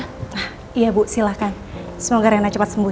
nah iya bu silahkan semoga rena cepat sembuh ya